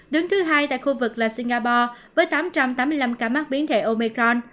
đứng thứ hai tại khu vực là singapore với tám trăm tám mươi năm ca mắc biến thể omecron